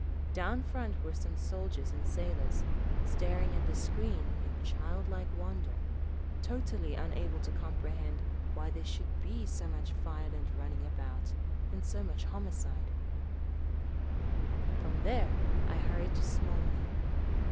Down front were some soldiers and sailors, staring at the screen in childlike wonder, totally unable to comprehend why there should be so much violent running about, and so much homicide…. From there I hurried to Smolny.